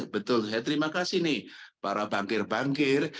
betul saya terima kasih nih para bankir bankir